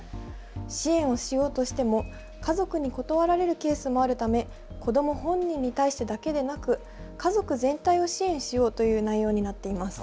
支援をしようとしても家族に断られるケースもあるため子ども本人に対してだけでなく家族全体を支援しようという内容になっています。